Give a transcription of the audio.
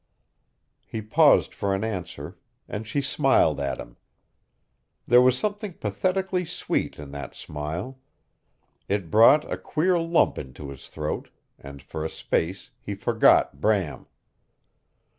He paused for an answer and she smiled at him. There was something pathetically sweet in that smile. It brought a queer lump into his throat, and for a space he forgot Bram.